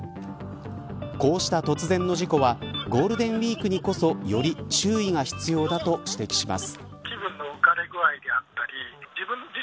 こうした突然の事故はゴールデンウイークにこそより注意が必要だと指摘します。